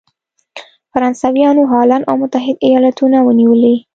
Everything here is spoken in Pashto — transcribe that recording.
فرانسویانو هالنډ او متحد ایالتونه ونیولې.